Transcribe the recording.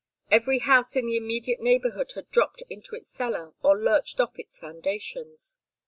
Every house in the immediate neighborhood had dropped into its cellar or lurched off its foundations.